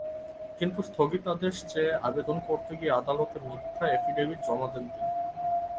কিন্তু স্থগিতাদেশ চেয়ে আবেদন করতে গিয়ে আদালতে মিথ্যা এফিডেভিট জমা দেন তিনি।